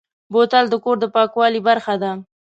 بوتل د کور د پاکوالي برخه ده.